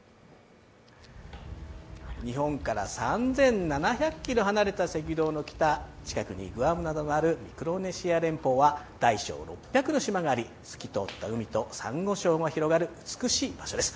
日本から３７００ｋｍ離れた赤道の北近くに近くにはグアムなどがあるミクロネシア連邦は大小６００の島があり、透き通った海とさんご礁が広がる美しい場所です。